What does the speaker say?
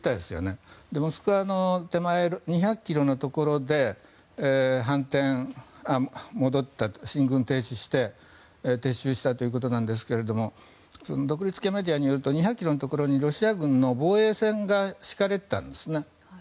そして、モスクワの手前２００ｋｍのところで戻って、進軍停止をして撤収したということですが独立系メディアによると２００ｋｍのところにロシア軍の防衛線が敷かれていたんです。